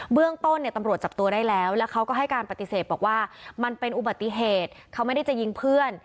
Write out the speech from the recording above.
เรื่องต้นเนี่ยตำรวจจับตัวได้แล้วแล้วเขาก็ให้การปฏิเสธบอกว่ามันเป็นอุบัติเหตุเขาไม่ได้จะยิงเพื่อน